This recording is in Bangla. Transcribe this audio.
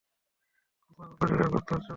প্রশ্ন করলা জিলাপী উত্তর চাও চটপটি?